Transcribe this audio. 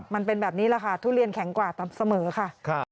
มันเป็นแบบนี้แหละค่ะทุเรียนแข็งกว่าเสมอค่ะ